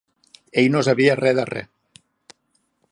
Ell no sabia res de res